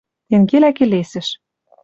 Тенгелӓ келесӹш: